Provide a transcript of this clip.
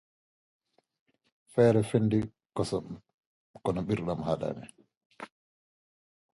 Singer then worked for four years in marine biology, supporting his father.